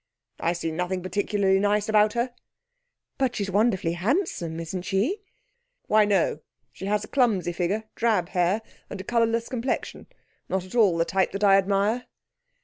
'I see nothing particularly nice about her.' 'But she's wonderfully handsome, isn't she?' 'Why no; she has a clumsy figure, drab hair, and a colourless complexion. Not at all the type that I admire.'